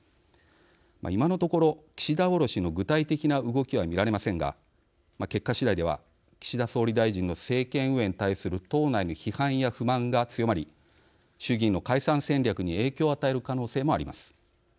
今のところ、岸田おろしの具体的な動きは見られませんが結果次第では、岸田総理大臣の政権運営に対する党内の批判や不満が強まり衆議院の解散戦略に影響を与える可能性もあります。